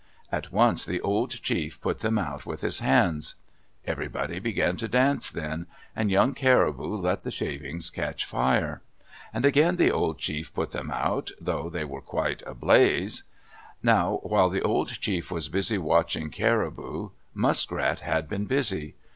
At once the old chief put them out with his hands. Everybody began to dance then, and Young Caribou let the shavings catch fire. And again the old chief put them out, though they were quite a blaze. Now, while the old chief was busy watching Caribou, Muskrat had been busy.